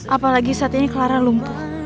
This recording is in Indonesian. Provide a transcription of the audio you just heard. apalagi saat ini clara lumpuh